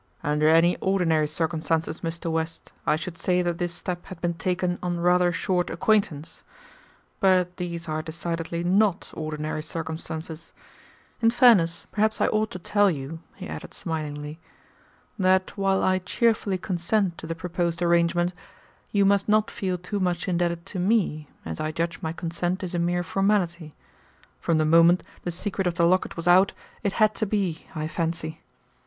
"Under any ordinary circumstances, Mr. West, I should say that this step had been taken on rather short acquaintance; but these are decidedly not ordinary circumstances. In fairness, perhaps I ought to tell you," he added smilingly, "that while I cheerfully consent to the proposed arrangement, you must not feel too much indebted to me, as I judge my consent is a mere formality. From the moment the secret of the locket was out, it had to be, I fancy.